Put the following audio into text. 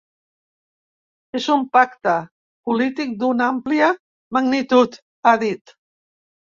És un pacte polític d’una àmplia magnitud, ha dit.